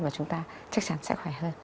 và chúng ta chắc chắn sẽ khỏe hơn